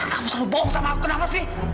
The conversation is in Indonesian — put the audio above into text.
kamu selalu bohong sama aku kenapa sih